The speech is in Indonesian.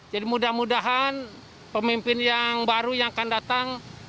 jadi mudah mudahan pemimpin yang baru yang akan datang